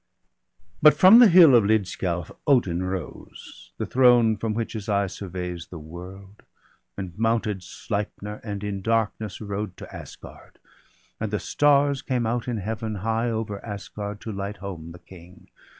But from the hill of Lidskialf Odin rose. The throne, from which his eye surveys the world; BALDER DEAD. 147 And mounted Sleipner, and in darkness rode To Asgard. And the stars came out in heaven, High over Asgard, to light home the King.